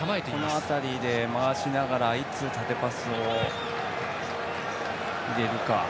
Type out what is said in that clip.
この辺りで回しながらいつ縦パスを入れるか。